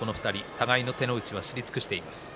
互いの手の内も知り尽くしています。